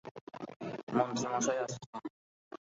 মন্ত্রী মশাই আসছেন।